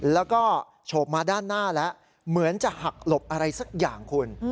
แล้วก็โฉบมาด้านหน้าแล้วเหมือนจะหักหลบอะไรสักอย่างคุณ